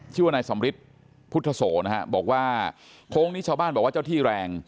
ชื่อว่านายสำริทพุทธโสนะฮะบอกว่าโค้งนี้ชาวบ้านบอกว่าเจ้าที่แรง